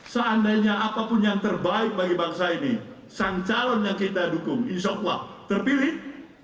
seandainya apapun yang terbaik bagi bangsa ini sang calon yang kita dukung insya allah terpilih